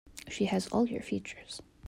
She has all your features.